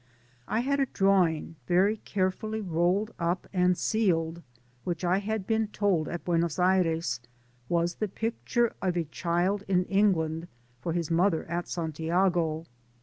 I had also a drawing very carefully rolled up and sealed, which I had been told at Buenos Aires was the picture of a child in Eng land, for his mother at Santiago.